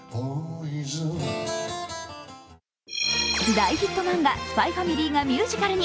大ヒット漫画「ＳＰＹ×ＦＡＭＩＬＹ」がミュージカルに。